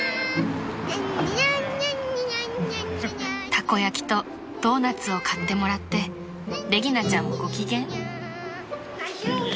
［たこ焼きとドーナツを買ってもらってレギナちゃんもご機嫌］